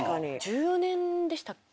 １４年でしたっけ？